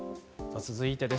続いてです。